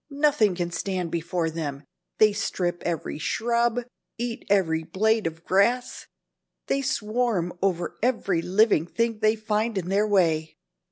Nothing can stand before them. They strip every shrub, eat every blade of grass. They swarm over every living thing they find in their way.